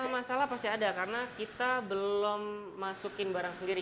masalah pasti ada karena kita belum masukin barang sendiri